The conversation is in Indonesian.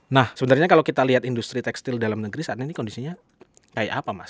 nah sebenarnya kalau kita lihat industri tekstil dalam negeri saat ini kondisinya kayak apa mas